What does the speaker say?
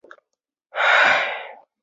现关押男性年青还押犯人和定罪犯人。